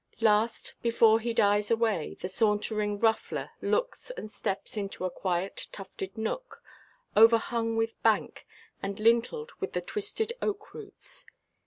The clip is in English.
Last, before he dies away, the sauntering ruffler looks and steps into a quiet tufted nook, overhung with bank, and lintelled with the twisted oak–roots.